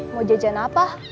mau jajan apa